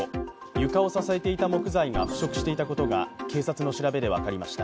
床を支えていた木材が腐食していたことが警察の調べで分かりました。